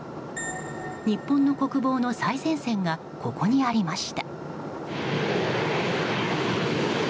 日本の国防の最前線がここにありました。